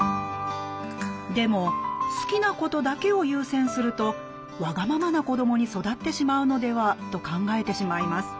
でも好きなことだけを優先するとわがままな子どもに育ってしまうのではと考えてしまいます。